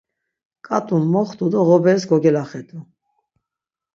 K̆at̆u moxtu do ğoberis kogelaxedu.